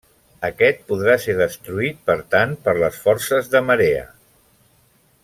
Aquest podrà ser destruït, per tant, per les forces de marea.